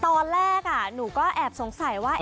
ตอนแรกหนูก็แอบสงสัยว่า